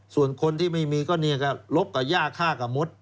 ส่วนคนที่ไม่มีก็ลบกับหญ้าข้ากระมด